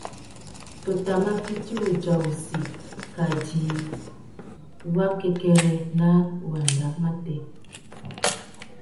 Tu tà mà fiti wudja wissú kā djï wakêkêrê nà wanda matê.